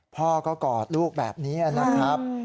พ่อก็กอดลูกแบบนี้นะครับ